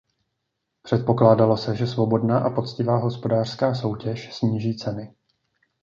Předpokládalo se, že svobodná a poctivá hospodářská soutěž sníží ceny.